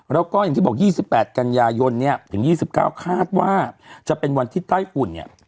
แล้วก็อย่างที่บอก๒๘กันยายนเนี่ยถึง๒๙คาดว่าจะเป็นวันที่ใต้ฝุ่นเนี่ย